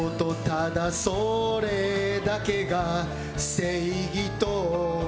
ただそれだけが正義と」